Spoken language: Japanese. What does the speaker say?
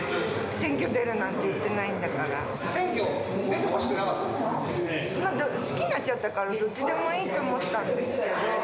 選挙出てほしくなかったんで好きになっちゃったから、どっちでもいいと思ったんですけど。